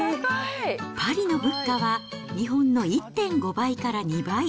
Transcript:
パリの物価は日本の１．５倍から２倍。